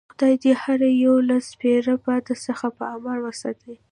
خدای دې هر یو له سپیره باد څخه په امان وساتي.